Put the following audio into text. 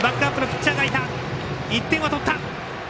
１点は取った！